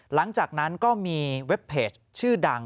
หลังจากนั้นก็มีเว็บเพจชื่อดัง